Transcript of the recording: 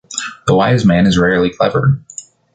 The wise man is rarely clever.